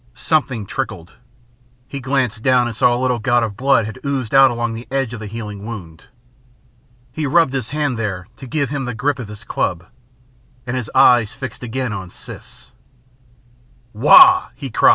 Something trickled. He glanced down and saw a little gout of blood had oozed out along the edge of the healing wound. He rubbed his hand there to give him the grip of his club, and fixed his eyes again on Siss.